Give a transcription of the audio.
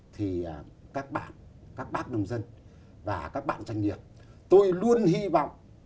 thì các bạn các bác nông dân và các bạn doanh nghiệp tôi luôn hy vọng